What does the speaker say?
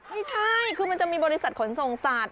ไม่ใช่คือมันจะมีบริษัทขนส่งสัตว